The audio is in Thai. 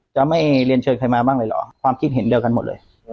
จะไม่เรียนเชิญใครมาบ้างเลยเหรอความคิดเห็นเดียวกันหมดเลย